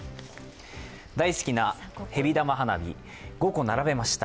大好きなへび玉花火、５個並べました。